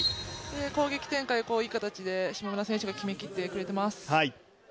攻撃展開をいい形で島村選手が決めきってくれています。